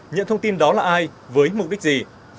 nhận thông tin đó là ai với mục đích gì